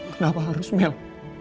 kenapa harus mel